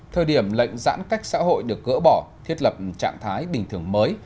thời điểm lệnh giãn cách xã hội được gỡ bỏ thiết lập trạng thái bình thường mới